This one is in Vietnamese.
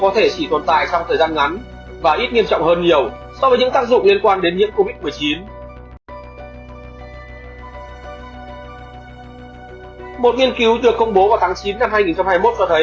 trong thời kỳ mang thai